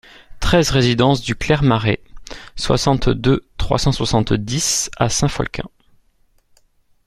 treize résidence du Clair Marais, soixante-deux, trois cent soixante-dix à Saint-Folquin